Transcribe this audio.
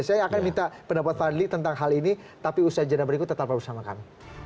saya akan minta pendapat fadli tentang hal ini tapi usaha jadwal berikut tetap bersama kami